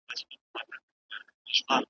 چي طلاوي نه وې درې واړه یاران ول .